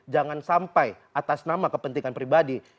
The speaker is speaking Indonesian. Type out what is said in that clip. jangan sampai atas nama kepentingan pribadi